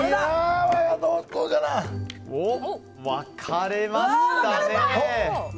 分かれましたね。